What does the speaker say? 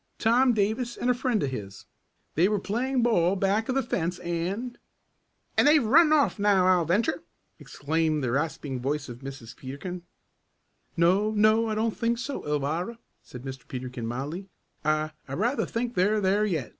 Tom Davis and a friend of his. They were playing ball back of the fence and " "And they've run off now, I'll venture!" exclaimed the rasping voice of Mrs. Peterkin. "No no, I don't think so, Alvirah," said Mr. Peterkin mildly. "I I rather think they're there yet.